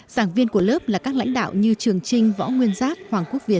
giảng viên của lớp là các lãnh đạo như trường trinh võ nguyên giáp hoàng quốc việt